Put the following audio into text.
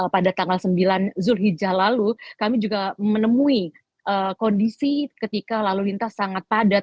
pada tanggal sembilan zulhijjah lalu kami juga menemui kondisi ketika lalu lintas sangat padat